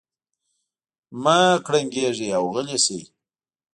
مه کړنګېږئ او غلي شئ.